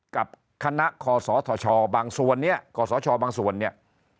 กับคณะคอสชบางส่วนเนี่ยขอสชบางส่วนเนี่ย